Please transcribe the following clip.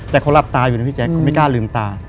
แต่เขาหลับตาอยู่นะพี่แจ๊คเขาไม่กล้าลืมตา